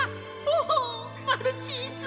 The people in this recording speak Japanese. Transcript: おおマルチーズ！